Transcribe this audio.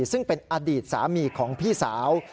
ซึ่งเป็นอดีตสามีของพี่สาว